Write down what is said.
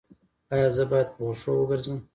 ایا زه باید په وښو وګرځم؟